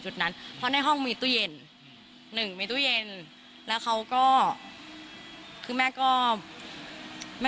จุดนั้นเพราะในห้องมีตู้เย็นหนึ่งมีตู้เย็นแล้วเขาก็คือแม่ก็ไม่